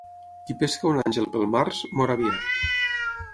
Qui pesca un àngel pel març, mor aviat.